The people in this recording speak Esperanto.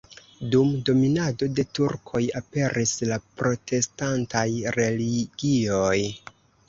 Dum dominado de turkoj aperis la protestantaj religioj.